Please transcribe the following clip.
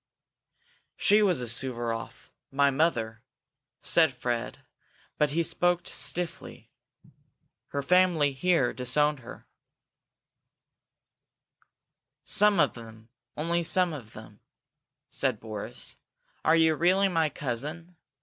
"She was a Suvaroff my mother," said Fred, but he spoke stiffly. "Her family here disowned her " "Some of them only some of them," said Boris. "Are you really my cousin?